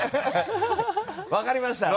分かりました。